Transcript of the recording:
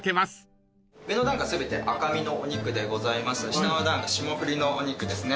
下の段が霜降りのお肉ですね。